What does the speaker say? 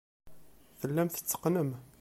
Tellam tetteqqnem.